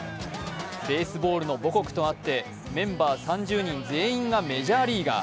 ベースボールの母国とあって、メンバー３０人全員がメジャーリーガー。